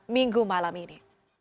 minggu malam ini